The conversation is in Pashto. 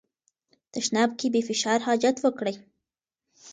تشناب کې بې فشار حاجت وکړئ.